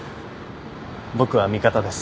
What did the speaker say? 僕は味方です。